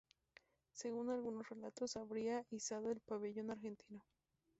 Según algunos relatos habrían izado el pabellón argentino.